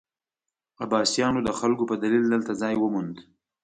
عباسیانو د خلکو په دلیل دلته ځای وموند.